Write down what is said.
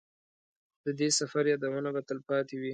د دې سفر یادونه به تلپاتې وي.